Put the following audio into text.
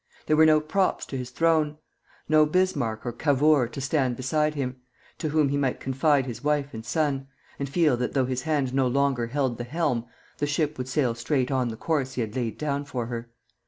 There were no props to his throne. No Bismarck or Cavour stood beside him, to whom he might confide his wife and son, and feel that though his hand no longer held the helm, the ship would sail straight on the course he had laid down for her.